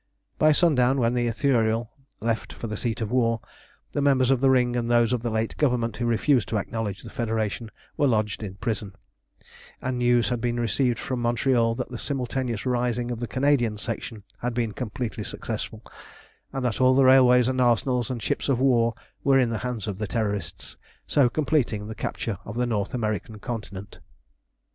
By sundown, when the Ithuriel left for the seat of war, the members of the Ring and those of the late Government who refused to acknowledge the Federation were lodged in prison, and news had been received from Montreal that the simultaneous rising of the Canadian Section had been completely successful, and that all the railways and arsenals and ships of war were in the hands of the Terrorists, so completing the capture of the North American continent.